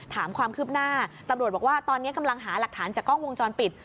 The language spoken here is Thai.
ถามความคืบหน้าตำรวจบอกว่าตอนนี้กำลังหาหลักฐานจากกล้องวงจรปิด